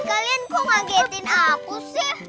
kalian kok manggitin aku sih